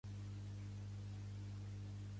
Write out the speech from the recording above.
Què es guanyarà si es resolen?